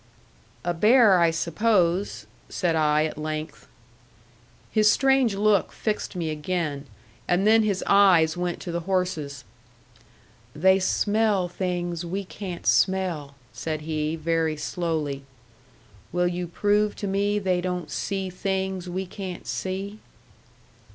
"A bear, I suppose," said I, at length. His strange look fixed me again, and then his eyes went to the horses. "They smell things we can't smell," said he, very slowly. "Will you prove to me they don't see things we can't see?"